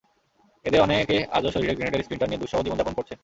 এঁদের অনেকে আজও শরীরে গ্রেনেডের স্প্লিন্টার নিয়ে দুঃসহ জীবন যাপন করছেন।